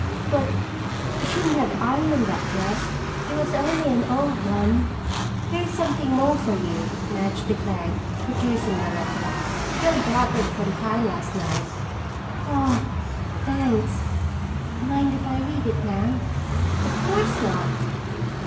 But you shouldn't have ironed that dress. It was only an old one." "Here's something more for you," Madge declared, producing the letter. "Bill brought it from town last night." "Oh, thanks. Mind if I read it now?" "Of course not."